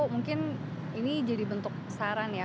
mungkin ini jadi bentuk saran ya